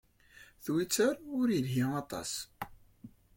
Twitter ur yelhi aṭas.